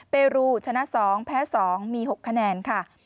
เปรูชนะ๒แพ้๒มี๖คะแนนค่ะ